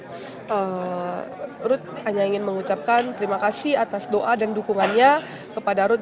jadi saya ingin mengucapkan terima kasih atas doa dan dukungannya kepada ruth